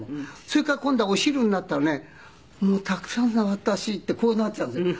それから今度はお昼になったらねもうたくさんだ私ってこうなっちゃうんですよ。